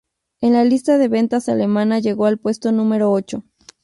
En la lista de ventas alemana llegó al puesto número ocho.